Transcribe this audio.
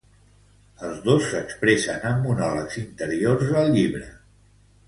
Els dos s'expressen amb monòlegs interiors al llibre.